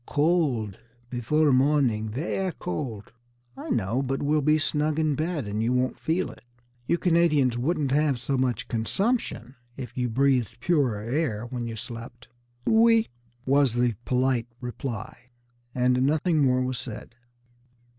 "Co old before morning, ver' cold!" "I know, but we'll be snug in bed, and won't feel it. You Canadians wouldn't have so much consumption if you breathed purer air when you slept." "Oui!" was the polite reply; and nothing more was said.